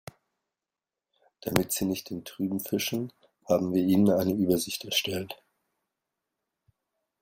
Damit Sie nicht im Trüben fischen, haben wir Ihnen eine Übersicht erstellt.